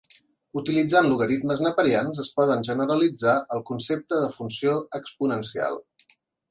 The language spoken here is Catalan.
Utilitzant logaritmes neperians, es poden generalitzar el concepte de funció exponencial.